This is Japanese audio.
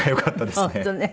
本当ね。